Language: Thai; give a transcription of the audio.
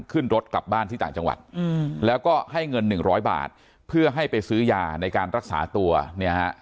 ขึ้นรถกลับบ้านที่ต่างจังหวัดแล้วก็ให้เงินหนึ่งร้อยบาทเพื่อให้ไปซื้อยาในการรักษาตัวเนี่ยฮะ